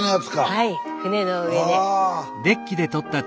はい船の上で。